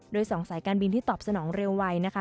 โดย๒สายการบินที่ตอบสนองเร็วไวนะคะ